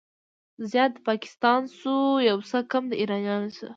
زيات د پاکستان شو، يو څه کم د ايرانيانو شو